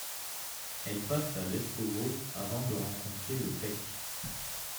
Elle passe à Leskovo avant de rencontrer le Pek.